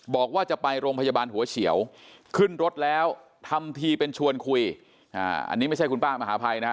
บอกว่าจะไปโรงพยาบาลหัวเฉียวขึ้นรถแล้วทำทีเป็นชวนคุยอันนี้ไม่ใช่คุณป้ามหาภัยนะฮะ